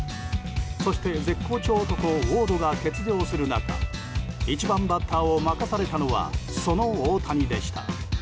そして、絶好調男ウォードが欠場する中１番バッターを任されたのはその大谷でした。